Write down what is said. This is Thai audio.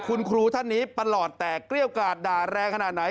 คุณครูท่านนี้ประหลอดแตกเกรี้ยวกาดด่าแรงขนาดไหน